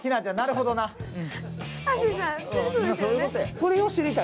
それを知りたい。